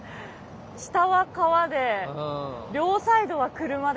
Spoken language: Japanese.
下は川で両サイドは車で。